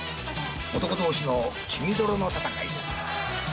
男同士の血みどろの戦いです。